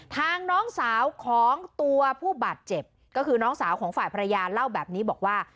น้องสาวของตัวผู้บาดเจ็บก็คือน้องสาวของฝ่ายภรรยาเล่าแบบนี้บอกว่า